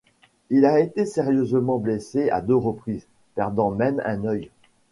Il a été sérieusement blessé à deux prises, perdant même un œil.